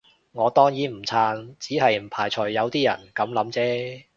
我當然唔撐，只係唔排除有啲人噉諗啫